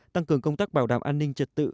tăng cường công tác bảo đảm an ninh trật tự